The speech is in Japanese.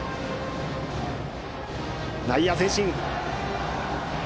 内野は前進。